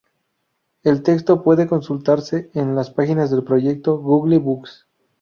El texto puede consultarse en las páginas del proyecto Google Books.